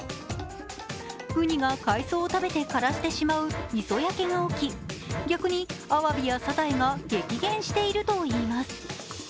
うにが海藻を食べて枯らしてしまう磯焼けが起き、逆にアワビやサザエが激減しているといいます。